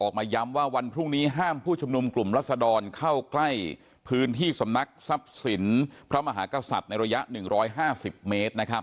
ออกมาย้ำว่าวันพรุ่งนี้ห้ามผู้ชุมนุมกลุ่มรัศดรเข้าใกล้พื้นที่สำนักทรัพย์สินพระมหากษัตริย์ในระยะ๑๕๐เมตรนะครับ